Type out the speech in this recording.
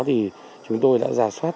thì chúng tôi đã giả soát